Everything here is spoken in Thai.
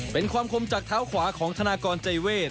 เป็นความคมจากเท้าขวาของธนากรใจเวท